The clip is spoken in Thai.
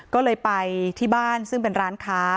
ก็เลยไปที่บ้านซึ่งเป็นร้านค้า